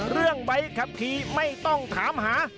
เรื่องใบขับขี่ไม่ต้องถามหา